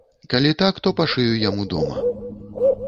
Калі так, то пашыю яму дома.